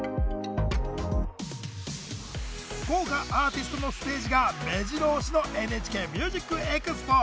豪華アーティストのステージがめじろ押しの「ＮＨＫＭＵＳＩＣＥＸＰＯ」！